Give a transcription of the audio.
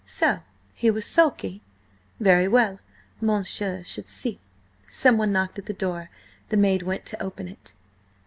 So he was sulky? Very well! Monsieur should see! Someone knocked at the door; the maid went to open it.